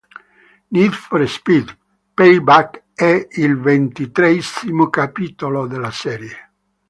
Need for Speed: Payback è il ventitreesimo capitolo della serie.